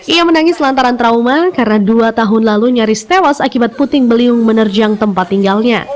ia menangis lantaran trauma karena dua tahun lalu nyaris tewas akibat puting beliung menerjang tempat tinggalnya